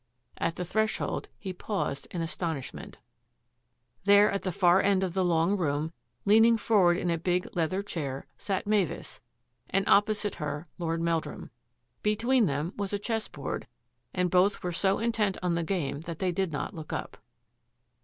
At the threshold he paused in as tonishment. There, at the far end of the long room, leaning forward in a big leather chair, sat Mavis, and opposite her Lord Meldrum. Between them was a chess board, and both were so intent on the game that they did not look up.